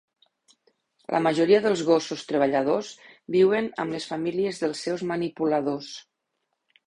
La majoria dels gossos treballadors viuen amb les famílies dels seus manipuladors.